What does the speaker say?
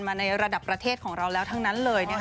ในระดับประเทศของเราแล้วทั้งนั้นเลย